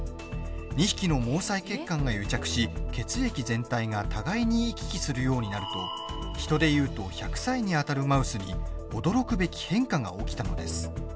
２匹の毛細血管が癒着し血液全体が互いに行き来するようになると人でいうと１００歳にあたるマウスに驚くべき変化が起きたのです。